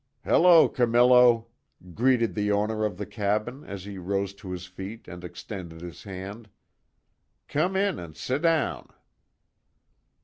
"Hello, Camillo," greeted the owner of the cabin as he rose to his feet and extended his hand, "Come in and sit down."